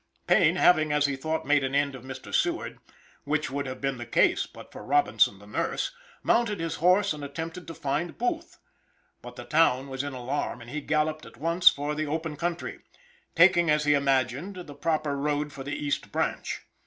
Payne, having, as he thought, made an end of Mr. Seward which would have been the case but for Robinson, the nurse mounted his horse, and attempted to find. Booth. But the town was in alarm, and he galloped at once for the open country, taking as he imagined, the proper road for the East Branch.